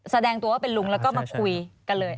แสดงตัวว่าเป็นลุงแล้วก็มาคุยกันเลย